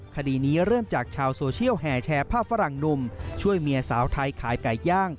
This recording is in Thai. คดีนี้เริ่มจากชาวโซเชียลแห่แชร์ภาพฝรั่งหนุ่มช่วยเมียสาวไทยขายไก่ย่าง